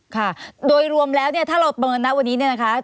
ค่ะโดยรวมแล้วถ้าเราเมินนะวันนี้